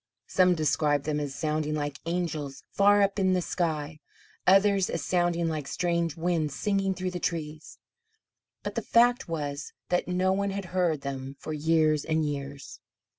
Some described them as sounding like angels far up in the sky; others as sounding like strange winds singing through the trees. But the fact was that no one had heard them for years and years.